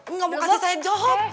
enggak mau kasih saya jawab